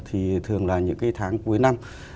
thì thường là những cái tháng cuối năm